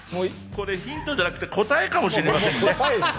これヒントじゃなくて答えかもしれませんね。